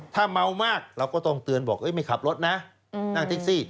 ถ้าเมามากเราก็ต้องเตือนบอกไม่ขับรถนะนั่งแท็กซี่